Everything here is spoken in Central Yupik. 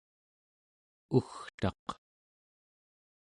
ugtaq